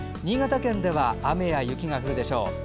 新潟県では雨や雪が降るでしょう。